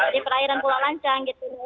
di perairan pulau lancang gitu